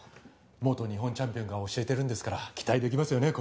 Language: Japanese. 元日本チャンピオンが教えてるんですから期待できますよね